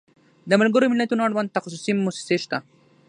د ملګرو ملتونو اړوند تخصصي موسسې شته.